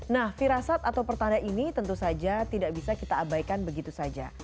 nah firasat atau pertanda ini tentu saja tidak bisa kita abaikan begitu saja